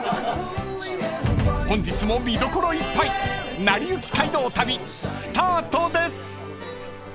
［本日も見どころいっぱい『なりゆき街道旅』スタートです］